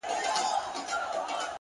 • هغه د شنه ځنګله په څنډه کي سرتوره ونه,